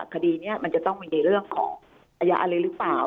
คดีนี้มันจะต้องมีในเรื่องของอาญาอะไรหรือเปล่า